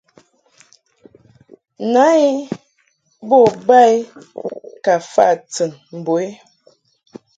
Na I bo ba I ka fa tɨn mbo i.